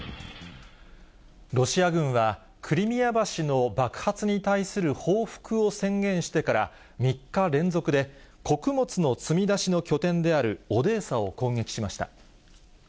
ロシア軍は、クリミア橋の爆発に対する報復を宣言してから３日連続で、穀物の積み出しの拠点であるオデーサを攻撃しました。